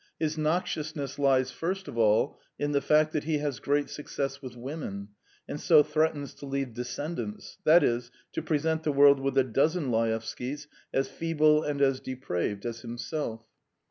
His noxiousness lies first of all in the fact that he has great success with women, and so threatens to leave descendants that is, to present the world with a dozen Laevskys as feeble and as depraved as himself.